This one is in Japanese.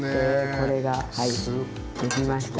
これがはいできました。